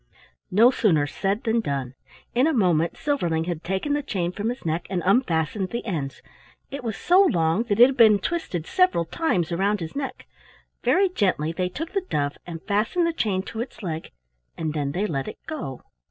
No sooner said than done. In a moment Silverling had taken the chain from his neck and unfastened the ends. It was so long that it had been twisted several times around his neck. Very gently they took the dove and fastened the chain to its leg, and then they let it go.